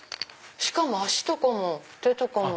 しかも脚とかも手とかも。